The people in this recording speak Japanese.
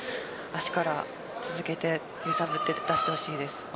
足から続けて揺さぶってほしいです。